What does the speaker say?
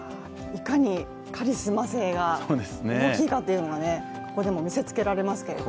いかにカリスマ性が大きいかというのが、ここでも見せつけられますけど。